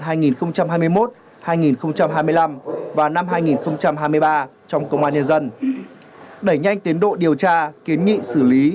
hai nghìn hai mươi năm và năm hai nghìn hai mươi ba trong công an nhân dân đẩy nhanh tiến độ điều tra kiến nghị xử lý